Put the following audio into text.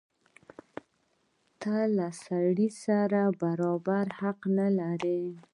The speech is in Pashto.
ته له سړي سره برابر حق نه لرې.